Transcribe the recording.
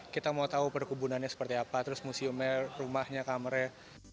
kita mau tahu perkebunannya seperti apa terus museumnya rumahnya kamarnya